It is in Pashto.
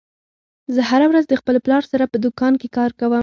زه هره ورځ د خپل پلار سره په دوکان کې کار کوم